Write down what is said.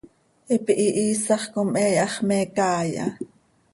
Hipi hihiisax com he iihax me caai ha.